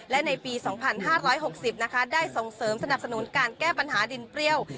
และในปี๒๕๖๐นะคะได้ส่งเสริมสนับสนุนการแก้ปัญหาดินเปรี้ยว